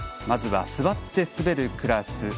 まずは座って滑るクラス。